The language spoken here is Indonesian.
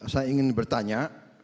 saya ingin bertanya